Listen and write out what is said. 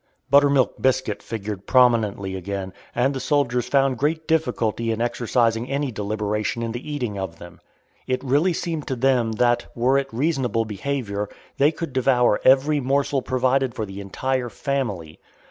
[Illustration: SEE DEM WHITE FOLKS WUCKIN] Buttermilk biscuit figured prominently again, and the soldiers found great difficulty in exercising any deliberation in the eating of them. It really seemed to them that, were it reasonable behavior, they could devour every morsel provided for the entire family.